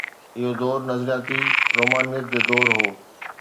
اهو دور نظرياتي رومانويت جو دور هو.